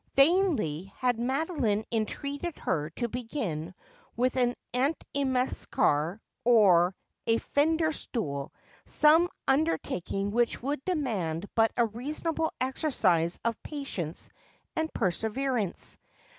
Vainly had Madoline entreated her to begin with an antimacassar or a fender stool, some under taking wluch would demand but a reasonable exercise of patience and perseverance.